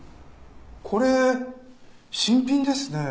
これ新品ですねえ。